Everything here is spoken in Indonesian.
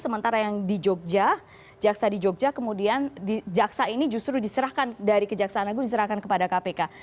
sementara yang di jogja jaksa di jogja kemudian di jaksa ini justru diserahkan dari kejaksaan agung diserahkan kepada kpk